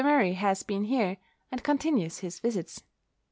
Murray has been here, and continues his visits.